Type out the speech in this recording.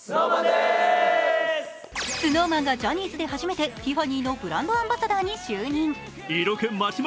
ＳｎｏｗＭａｎがジャニーズで初めてティファニーのブランドアンバサダーに就任。